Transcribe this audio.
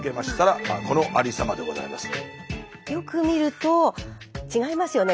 よく見ると違いますよね